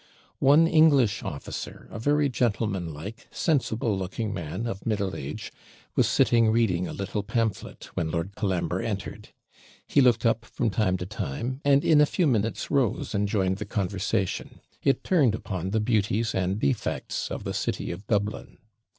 One English officer, a very gentleman like, sensible looking man, of middle age, was sitting reading a little pamphlet, when Lord Colambre entered; he looked up from time to time, and in a few minutes rose and joined the conversation; it turned upon the beauties and defects of the city of Dublin.